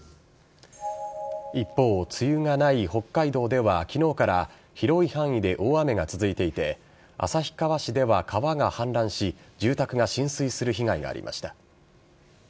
一方、梅雨がない北海道では昨日から広い範囲で大雨が続いていて旭川市では川が氾濫し住宅が浸水する被害がありました。